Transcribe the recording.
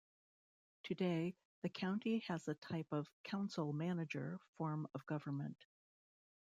Today the county has a type of council-manager form of government.